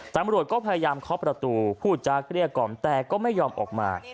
ตำรวจก็พยายามเคาะประตูพูดจากเกลี้ยกล่อมแต่ก็ไม่ยอมออกมา